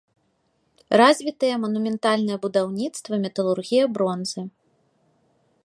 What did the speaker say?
Развітыя манументальнае будаўніцтва, металургія бронзы.